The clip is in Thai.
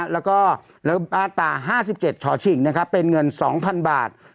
แล้วก็มาตรา๕๗ช่อฉิงเป็นเงิน๒๐๐๐บาท